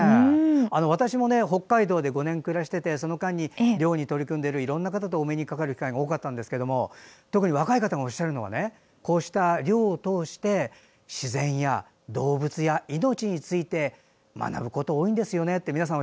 私も北海道に５年暮らしててその間に猟に取り組んでいるいろんな方とお目にかかる機会が多かったんですけど特に若い方がおっしゃるのはこうした猟を通して自然や動物や命について学ぶこと多いんですねって。